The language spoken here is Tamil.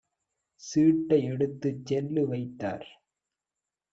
சீட்டை எடுத்துச் செல்லு வைத்தார்.